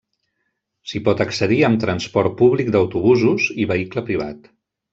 S’hi pot accedir amb transport públic d’autobusos i vehicle privat.